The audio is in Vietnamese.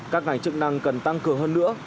các ngành chức năng cần tăng cường hơn nữa